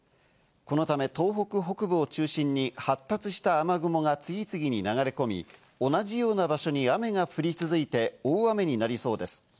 このため東北北部を中心に発達した雨雲が次々に流れ込み、同じような場所に雨が降り続いて大雨になりそうです。